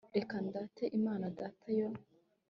reka ndate imana data, yo